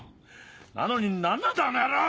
なのに何なんだあの野郎！